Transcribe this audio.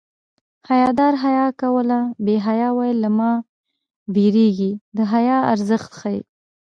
حیادار حیا کوله بې حیا ویل له ما وېرېږي د حیا ارزښت ښيي